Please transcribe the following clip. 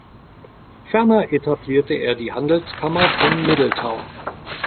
Ferner etablierte er die Handelskammer von Middletown.